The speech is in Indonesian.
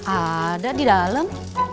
ada di dalam